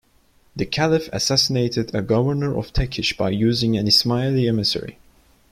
The Caliph assassinated a governor of Tekish by using an Ismaili emissary.